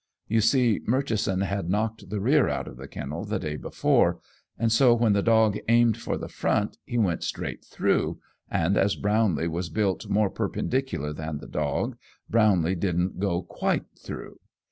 You see, Murchison had knocked the rear out of the kennel the day before, and so when the dog aimed for the front he went straight through, and as Brownlee was built more perpendicular than the dog, Brownlee didn't go quite through.